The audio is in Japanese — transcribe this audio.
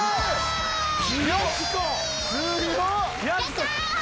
やった！